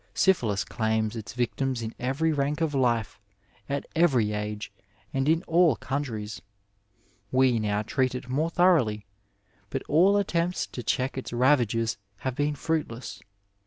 Syphilis claims its victims in every rank of life, at every age, and in all countries. We now treat it more thoroughly, but all attempts to check its ravages have been fruitiess.